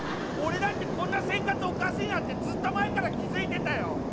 俺だってこんな生活おかしいなってずっと前から気付いてたよ。